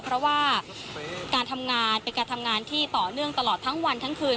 เพราะว่าการทำงานเป็นการทำงานที่ต่อเนื่องตลอดทั้งวันทั้งคืน